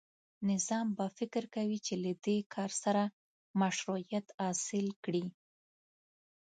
نظام به فکر کوي چې له دې کار سره مشروعیت حاصل کړي.